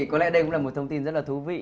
có lẽ đây cũng là một thông tin rất là thú vị